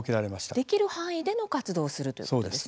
できる範囲での活動をするということですね。